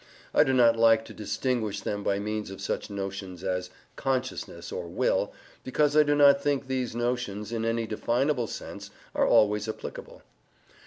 I do not like to distinguish them by means of such notions as "consciousness" or "will," because I do not think these notions, in any definable sense, are always applicable.